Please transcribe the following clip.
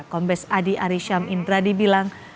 kombes adi arisham indradi bilang